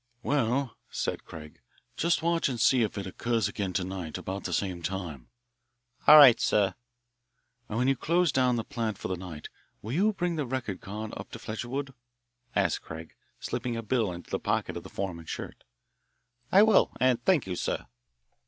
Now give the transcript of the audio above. "Well," said Craig, "just watch and see if it occurs again to night about the same time." "All right, sir." "And when you close down the plant for the night, will you bring the record card up to Fletcherwood?" asked Craig, slipping a bill into the pocket of the foreman's shirt. "I will, and thank you, sir."